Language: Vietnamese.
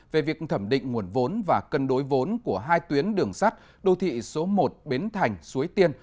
về việc thẩm định nguồn vốn và cân đối vốn của hai tuyến đường sắt đô thị số một bến thành suối tiên